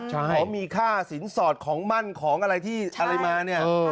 เขามีค่าสินสอดของมั่นของอะไรที่อะไรมาเนี่ย